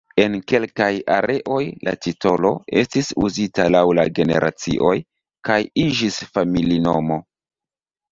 En kelkaj areoj, la titolo estis uzita laŭ la generacioj, kaj iĝis familinomo.